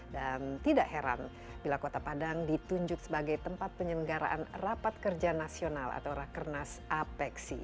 dan tidak heran bila kota padang ditunjuk sebagai tempat penyelenggaraan rapat kerja nasional atau rakernas apexi